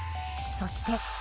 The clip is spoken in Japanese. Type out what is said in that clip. そして。